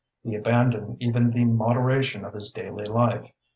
He abandoned even the moderation of his daily life.